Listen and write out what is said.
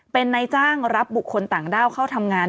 เป็นนายจ้างรับบุคคลต่างด้าวเข้าทำงาน